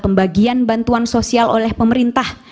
pembagian bantuan sosial oleh pemerintah